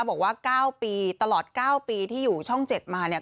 บอกว่า๙ปีตลอด๙ปีที่อยู่ช่อง๗มาเนี่ย